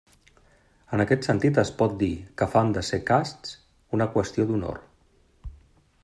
En aquest sentit es pot dir que fan de ser casts una qüestió d'honor.